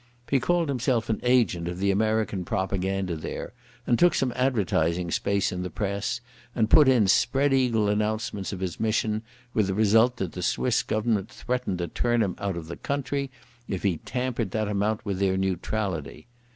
He called himself an agent of the American propaganda there, and took some advertising space in the press and put in spread eagle announcements of his mission, with the result that the Swiss Government threatened to turn him out of the country if he tampered that amount with their neutrality.